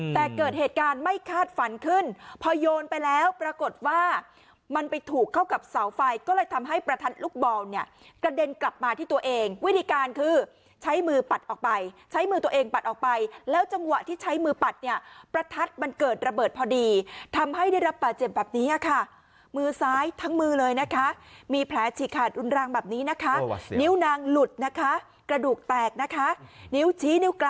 แต่เกิดเหตุการณ์ไม่คาดฝันขึ้นพอโยนไปแล้วปรากฏว่ามันไปถูกเข้ากับเสาไฟก็เลยทำให้ประทัดลูกบอลเนี่ยกระเด็นกลับมาที่ตัวเองวิธีการคือใช้มือปัดออกไปใช้มือตัวเองปัดออกไปแล้วจังหวะที่ใช้มือปัดเนี่ยประทัดมันเกิดระเบิดพอดีทำให้ได้รับป่าเจ็บแบบนี้ค่ะมือซ้ายทั้งมือเลยนะคะมีแผลฉ